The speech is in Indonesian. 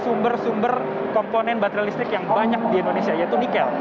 empat puluh tiga triliun rupiah dengan sumber sumber komponen baterai listrik yang banyak di indonesia yaitu nikel